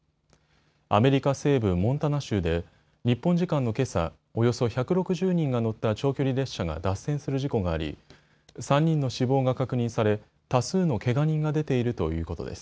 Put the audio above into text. アメリカ西部モンタナ州で日本時間のけさ、およそ１６０人が乗った長距離列車が脱線する事故があり３人の死亡が確認され多数のけが人が出ているということです。